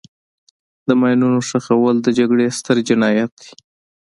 د ماینونو ښخول د جګړې ستر جنایت دی.